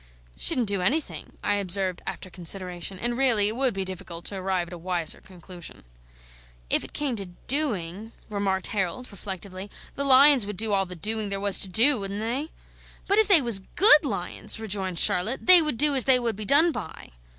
"Shouldn't do anything," I observed after consideration; and really it would be difficult to arrive at a wiser conclusion. "If it came to DOING," remarked Harold, reflectively, "the lions would do all the doing there was to do, wouldn't they?" "But if they was GOOD lions," rejoined Charlotte, "they would do as they would be done by."